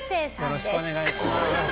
よろしくお願いします。